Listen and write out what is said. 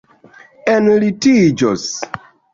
enlitiĝos